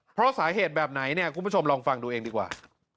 เพราะสาเหตุแบบไหนเนี่ยคุณผู้ชมลองฟังดูเองดีกว่า